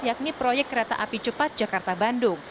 yakni proyek kereta api cepat jakarta bandung